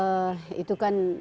hmm itu kan